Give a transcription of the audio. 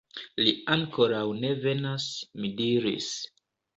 Li ankoraŭ ne venas, mi diris.